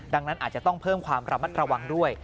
ดังนั้นอาจจะต้องเพิ่มความระมัดระวังด้วย